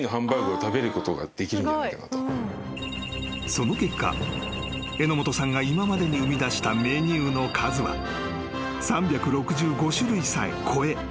［その結果榎本さんが今までに生みだしたメニューの数は３６５種類さえ超え